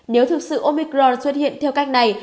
nếu thực sự omicron xuất hiện theo cách này